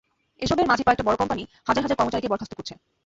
এসবের মাঝে কয়েকটা বড় কোম্পানি, হাজার হাজার কর্মচারীকে বরখাস্ত করছে।